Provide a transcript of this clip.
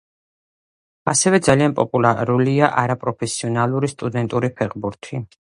ასევე ძალიან პოპულარულია არაპროფესიონალური სტუდენტური ფეხბურთი.